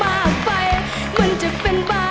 ฉันว่าเขาทาแต่จะจิ๊กจะฉันก็ต้องไป